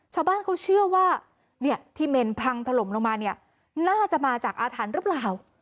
ชาวบ้านเขาเชื่อว่าที่เมนพังทะลมลงมาน่าจะมาจากอาถรรพ์หรือเปล่า